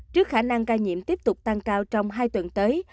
trước khả năng ca nhiễm tiếp tục tăng cao trong hai tuần tới